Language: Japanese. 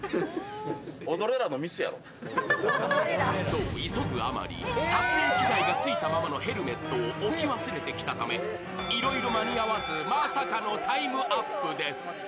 そう、急ぐあまり、撮影機材がついたままのヘルメットを置き忘れてきたためいろいろ間に合わずまさかのタイムアップです。